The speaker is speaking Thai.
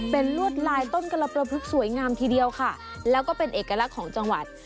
เป็นลวดลายต้นกรประพฤกษสวยงามทีเดียวค่ะแล้วก็เป็นเอกลักษณ์ของจังหวัด